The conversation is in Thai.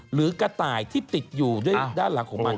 หรือกระต่ายที่ติดอยู่ด้วยด้านหลังของมัน